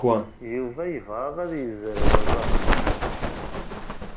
Yuba yebɣa ad yezrew aẓawan.